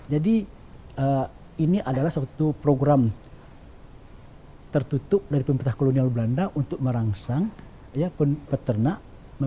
jadi ini adalah suatu program tertutup dari pemerintah kolonial belanda untuk merangsang peternak